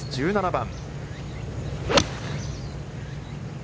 １７番。